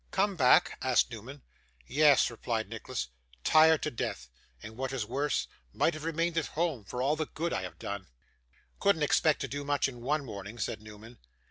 'Come back?' asked Newman. 'Yes,' replied Nicholas, 'tired to death: and, what is worse, might have remained at home for all the good I have done.' 'Couldn't expect to do much in one morning,' said Newman.